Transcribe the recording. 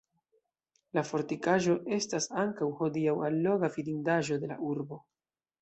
La fortikaĵo estas ankaŭ hodiaŭ alloga vidindaĵo de la urbo.